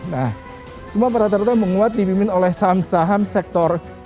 nah semua rata rata menguat dipimpin oleh saham saham sektor